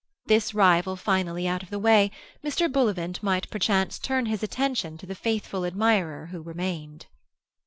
This rival finally out of the way, Mr. Bullivant might perchance turn his attention to the faithful admirer who remained.